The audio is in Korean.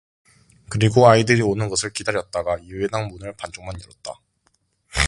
그리고 아이들이 오는 것을 기다렸다가 예배당 문을 반쪽만 열었다.